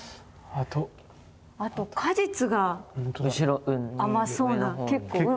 あと果実が甘そうな結構熟れてる。